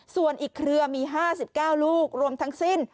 ส่วนอีกเครือมี๕๙ลูกรวมทั้งสิ้น